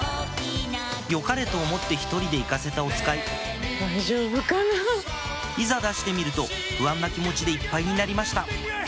善かれと思って１人で行かせたおつかいいざ出してみると不安な気持ちでいっぱいになりました